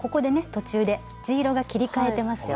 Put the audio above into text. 途中で地色が切りかえてますよね。